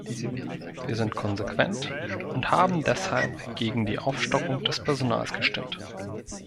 Wir sind konsequent und haben deshalb gegen die Aufstockung des Personals gestimmt.